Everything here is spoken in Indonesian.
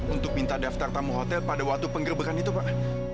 untuk minta daftar tamu hotel pada waktu penggerbekan itu pak